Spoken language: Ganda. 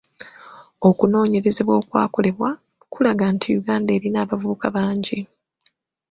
Okunoonyereza okwakakolebwa kulaga nti Uganda erina abavubuka bangi.